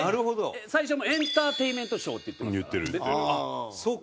最初もエンターテインメントショーって言ってますから。